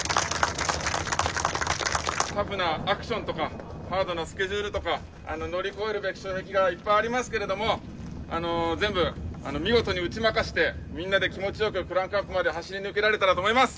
タフなアクションとかハードなスケジュールとか乗り越えるべき障壁がいっぱいありますけれども全部見事に打ち負かしてみんなで気持ちよくクランクアップまで走り抜けられたらと思います。